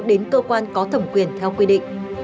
đến cơ quan có thẩm quyền theo quy định